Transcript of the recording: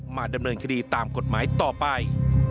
มาดำเนินคดีตามกฎหมายต่อไป